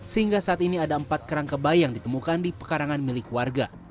sehingga saat ini ada empat kerangka bayi yang ditemukan di pekarangan milik warga